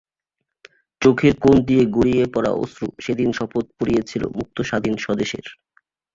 চোখের কোণ দিয়ে গড়িয়ে পড়া অশ্রু সেদিন শপথ পড়িয়েছিল মুক্ত-স্বাধীন স্বদেশের।